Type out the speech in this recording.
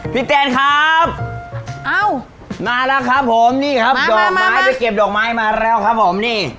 แตนครับเอ้ามาแล้วครับผมนี่ครับดอกไม้ไปเก็บดอกไม้มาแล้วครับผมนี่